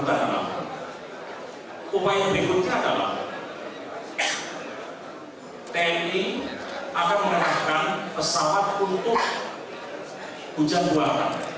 upaya berikutnya adalah tni akan mengenakan pesawat untuk hujan buang